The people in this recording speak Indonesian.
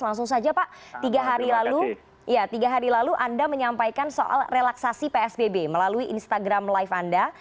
langsung saja pak tiga hari lalu anda menyampaikan soal relaksasi psbb melalui instagram live anda